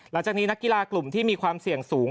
หลังจากนี้นักกีฬากลุ่มที่มีความเสี่ยงสูง